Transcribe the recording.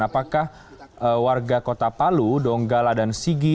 apakah warga kota palu donggala dan sigi